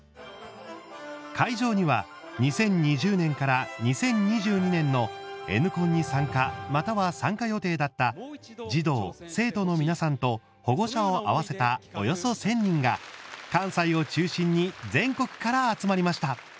会場には２０２０年から２０２２年の「Ｎコン」に参加または参加予定だった児童生徒の皆さんと保護者を合わせたおよそ１０００人が関西を中心に全国から集まりました。